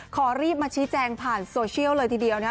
ขอรีบมาชี้แจงผ่านโซเชียลเลยทีเดียวนะ